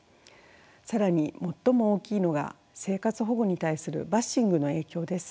更に最も大きいのが生活保護に対するバッシングの影響です。